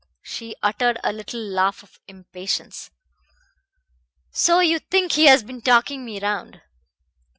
She uttered a little laugh of impatience. "So you think he has been talking me round!